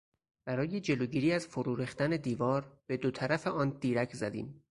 برای جلوگیری از فروریختن دیوار به دو طرف آن دیرک زدیم.